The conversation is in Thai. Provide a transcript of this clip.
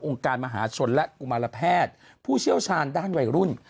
การมหาชนและกุมารแพทย์ผู้เชี่ยวชาญด้านวัยรุ่น